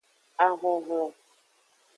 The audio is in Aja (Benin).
Ahonhlon.